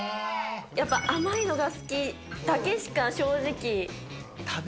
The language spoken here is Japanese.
やっぱり甘いのが好きだけしか、正直。